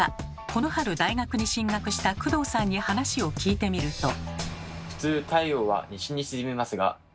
この春大学に進学した工藤さんに話を聞いてみると。